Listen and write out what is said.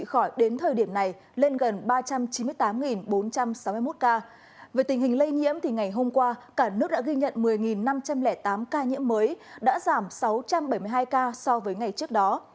hôm qua cả nước đã ghi nhận một mươi năm trăm linh tám ca nhiễm mới đã giảm sáu trăm bảy mươi hai ca so với ngày trước đó